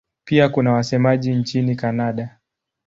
Pia kuna wasemaji nchini Kanada.